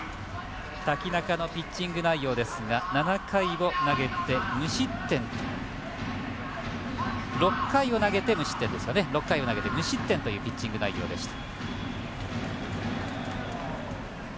瀧中のピッチング内容ですが６回を投げて無失点というピッチング内容でした。